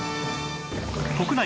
国内